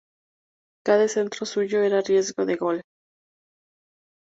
Cada centro suyo era riesgo de gol.